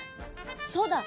そうだ！